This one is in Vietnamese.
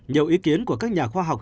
nhiều ý kiến của các nhà khoa học